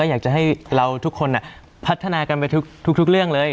อยากจะให้เราทุกคนพัฒนากันไปทุกเรื่องเลย